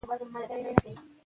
علمي موندنې لا هم روانې دي.